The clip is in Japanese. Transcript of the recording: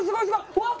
うわっ！